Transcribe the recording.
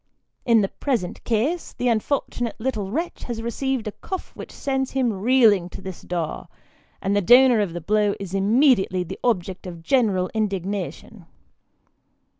In the present case, the unfortunate little wretch has received a cuff which sends him reeling to the door ; and the donor of the blow is immediately the object of general indignation.